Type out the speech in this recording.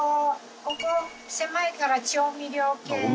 ここ狭いから調味料系。